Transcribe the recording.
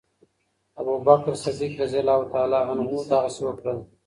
ابوبکر الصديق رضي الله تعالی عنه دغسي وکړل